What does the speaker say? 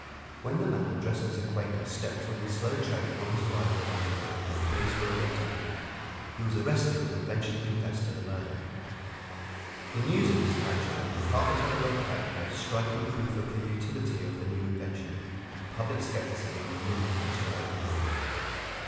When the man dressed as a Quaker stepped from the slow train on his arrival at London the police were awaiting him; he was arrested and eventually confessed the murder. The news of this capture and the part the telegraph played gave striking proof of the utility of the new invention, and public skepticism and indifference were overcome.